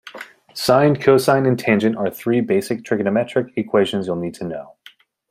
Sine, cosine and tangent are three basic trigonometric equations you'll need to know.